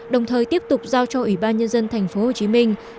đồng thời tiếp tục giao cho ủy ban nhân dân tp hcm